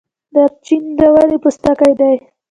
دارچینی د ونې پوستکی دی